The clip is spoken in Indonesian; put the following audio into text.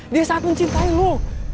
dia sangat mencintai lo